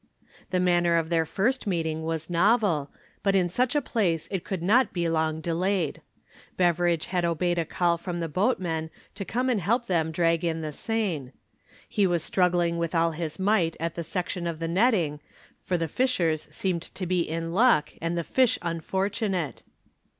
The manner of their first meeting was novel, but in such a place it could not be long delayed. Beveridge had obeyed a call from the boatmen to come and help them drag in the seine. He was tugging with all his might at the section of the netting, for the fishers seemed to be in luck and the fish unfortunate.